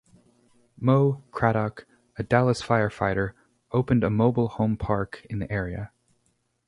'Moe' Craddock, a Dallas firefighter, opened a mobile home park in the area.